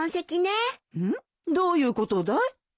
んっどういうことだい？